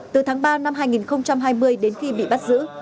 từ tháng ba năm hai nghìn hai mươi đến khi bị bắt giữ